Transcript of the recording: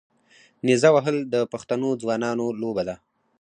نیزه وهل د پښتنو ځوانانو لوبه ده.